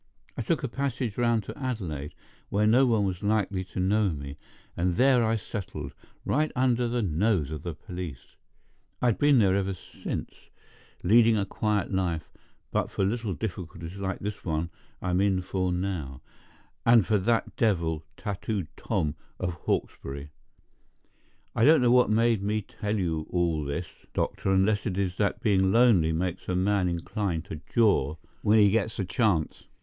I took a passage round to Adelaide, where no one was likely to know me; and there I settled, right under the nose of the police. I'd been there ever since, leading a quiet life, but for little difficulties like the one I'm in for now, and for that devil, Tattooed Tom, of Hawkesbury. I don't know what made me tell you all this, doctor, unless it is that being lonely makes a man inclined to jaw when he gets a chance.